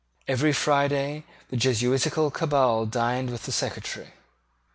Every Friday the Jesuitical cabal dined with the Secretary.